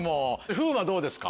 風磨どうですか？